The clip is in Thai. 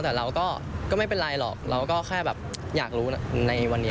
แต่เราก็ไม่เป็นไรหรอกเราก็แค่แบบอยากรู้ในวันนี้